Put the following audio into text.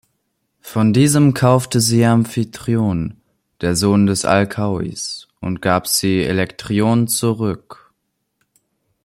Von diesem kaufte sie Amphitryon, der Sohn des Alkaios, und gab sie Elektryon zurück.